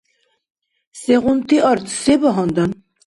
Сегъунти арц? Се багьандан?